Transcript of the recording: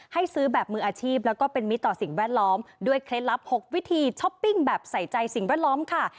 ให้ซื้อแบบมืออาชีพแล้วก็เป็นมิตรต่อสิ่งแวดล้อมด้วยเคล็ดลับ๖วิธีช้อปปิ้งแบบใส่ใจสิ่งแวดล้อมค่ะ